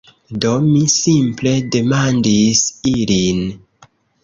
Do, mi simple demandis ilin